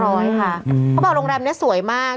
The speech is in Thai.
เรียบร้อยค่ะอืมเขาบอกโรงแรมเนี้ยสวยมาก